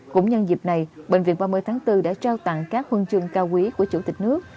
cũng nhân dịp này bệnh viện ba mươi tháng bốn đã trao tặng các huân chương cao quý của chủ tịch nước